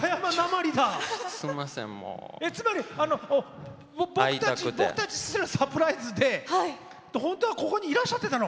つまり僕たちすらサプライズで本当はここにいらっしゃってたの？